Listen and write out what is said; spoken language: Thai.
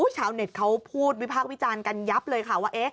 ชาวเน็ตเขาพูดวิพากษ์วิจารณ์กันยับเลยค่ะว่า